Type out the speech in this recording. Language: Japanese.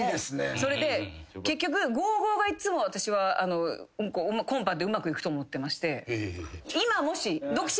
それで結局５・５がいつも私はコンパでうまくいくと思ってまして。